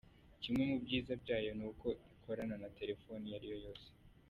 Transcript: Kimwe mu byiza byayo ni uko ikorana na telefoni iyo ariyo yose.